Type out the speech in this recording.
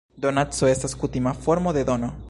Donaco estas kutima formo de dono.